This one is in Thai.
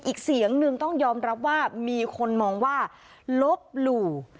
อีกเสียงหนึ่งต้องยอมรับว่ามีคนมองว่าลบหลู่